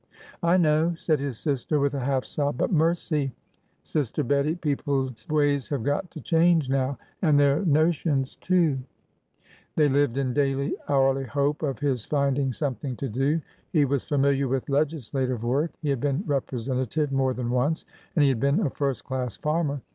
" I know," said his sister, with a half sob ;" but mercy ! sister Bettie, people's ways have got to change now! — and their notions, too !" They lived in daily, hourly hope of his finding some thing to do. He was familiar with legislative work; he had been representative more than once, and he had been a first class farmer.